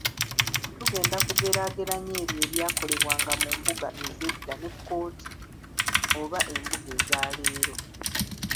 Tugenda kugeraageranya ebyo ebyakolebwanga mu mbuga ez’edda ne kkooti oba embuga eza leero.